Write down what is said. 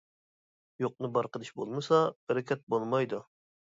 يوقنى بار قىلىش بولمىسا بەرىكەت بولمايدۇ.